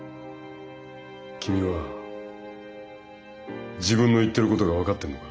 君は自分の言ってることが分かってるのか？